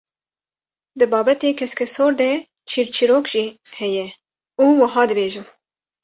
Di babetê keskesor de çîrçîrok jî heye û wiha dibêjin.